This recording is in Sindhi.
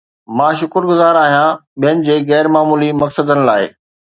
مان شڪرگذار آهيان ٻين جي غير معمولي مقصدن لاء